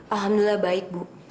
alhamdulillah baik bu